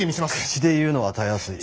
口で言うのはたやすい。